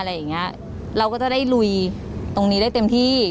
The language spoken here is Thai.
เราก็จะได้ลุยตรงนี้ได้เต็มที่